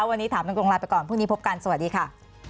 วันนี้ถามตรงลาไปก่อนพรุ่งนี้พบกันสวัสดีค่ะ